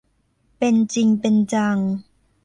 เป็นจริงเป็นจัง